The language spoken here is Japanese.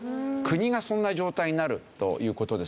国がそんな状態になるという事ですね。